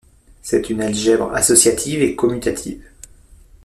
C'est une algèbre associative et commutative.